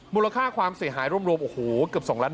มูลค่าความเสียหายรวมโอ้โหเกือบ๒ล้าน